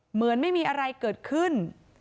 เหมือนไม่มีอะไรเกิดขึ้น